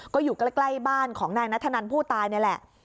ก็อยู่ใกล้บ้านของนายนัทธนันผู้ตายนี่แหละ